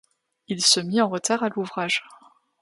On se mit sans retard à l’ouvrage.